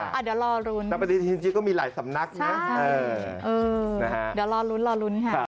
พัฏิทีนี้จริงก็มีหลายสำนักอยู่อื้อเรารู้ครับ